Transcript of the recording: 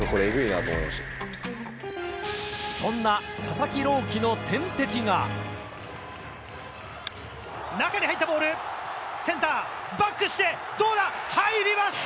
そんな佐々木朗希の天敵が中に入ったボールセンターバックしてどうだ？